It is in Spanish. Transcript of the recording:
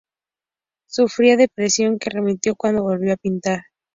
Sufría depresión, que remitió cuando volvió a pintar.